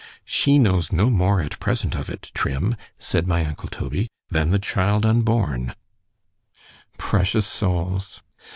—she knows no more at present of it, Trim, said my uncle Toby—than the child unborn—— Precious souls!